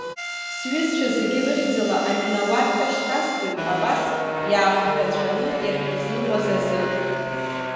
Сҩызцәа зегьы рыхьӡала аминауаҭра шьҭасҵоит, абас иаахжәацәаны иахьшәызныҟәаз азы!